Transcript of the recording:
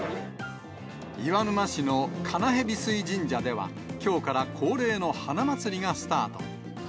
岩沼市の金蛇水神社では、きょうから恒例の花まつりがスタート。